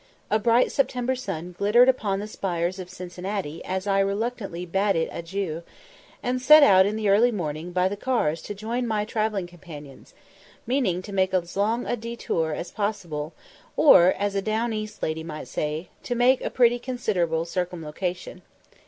A bright September sun glittered upon the spires of Cincinnati as I reluctantly bade it adieu, and set out in the early morning by the cars to join my travelling companions, meaning to make as long a détour as possible, or, as a "down east" lady might say, to "make a pretty considerable circumlocution."